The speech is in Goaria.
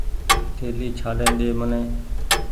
ٿهلي ڇهآلين ۮي مني